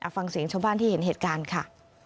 ฟังเสียงชาวบ้านที่เห็นเหตุการณ์ค่ะ